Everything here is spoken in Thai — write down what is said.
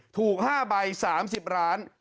ถูก๕ใบ๓๐ล้าน